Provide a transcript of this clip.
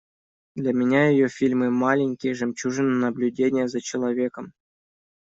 Для меня ее фильмы – маленькие жемчужины наблюдения за человеком.